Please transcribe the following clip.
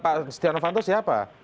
pak novanto siapa